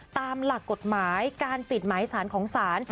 ตามหลักกฎหมายการปิดหมายสารของศาล